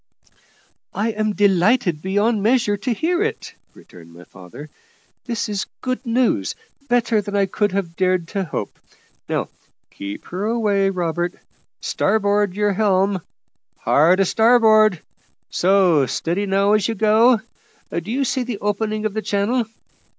"I am delighted beyond measure to hear it," returned my father; "this is good news, better than I could have dared to hope. Now keep her away, Robert. Starboard your helm hard a starboard; so, steady now as you go. Do you see the opening of the channel?